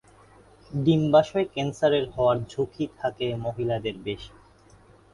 ডিম্বাশয় ক্যান্সারের হওয়ার ঝুঁকি থাকে মহিলাদের বেশি।